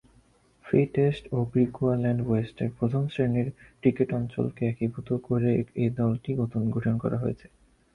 Free State ও গ্রিকুয়াল্যান্ড ওয়েস্টের প্রথম-শ্রেণীর ক্রিকেট অঞ্চলকে একীভূত করে এ দলটি গঠিত হয়েছে।